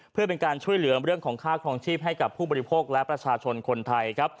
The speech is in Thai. เพื่อเป็นการช่วยเหลือเรื่องของค่าครองชีพให้กับผู้บริโภคและประชาชนคนไทยครับ